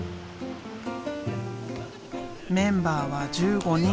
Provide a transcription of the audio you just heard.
メンバーは１５人。